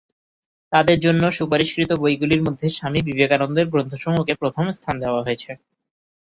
তাদের জন্য সুপারিশকৃত বইগুলির মধ্যে স্বামী বিবেকানন্দের গ্রন্থসমূহকে প্রথম স্থান দেওয়া হয়েছে।